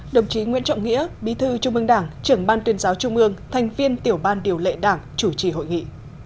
đồng chí nguyễn trọng nghĩa bí thư trung ương đảng trưởng ban tuyên giáo trung ương thành viên tiểu ban điều lệ đảng chủ trì hội nghị